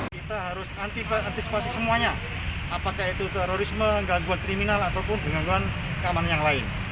kita harus antisipasi semuanya apakah itu terorisme gangguan kriminal ataupun gangguan keamanan yang lain